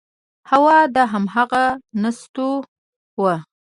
هو، دا همغه نستوه و…